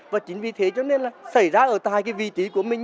và chính vì thế cho nên là xảy ra ở tại cái vị trí của mình